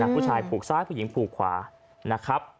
ผู้ชายผูกซ้ายผู้หญิงผูกขวานะครับ